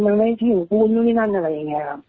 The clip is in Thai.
มันได้ที่หูดูดีนั้นอะไรอย่างนี้ครับ